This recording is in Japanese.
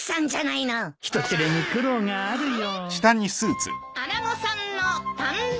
人知れぬ苦労があるよ。